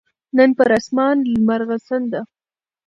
نن پر اسمان لمرغسن ده